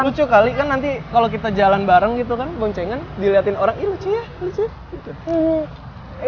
lucu kali kan nanti kalo kita jalan bareng gitu kan boncengan diliatin orang iya lucu ya lucu ya